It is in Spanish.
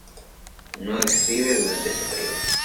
No escribe durante ese período.